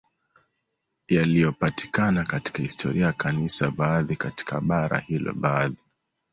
yaliyopatikana katika historia ya Kanisa baadhi katika bara hilo baadhi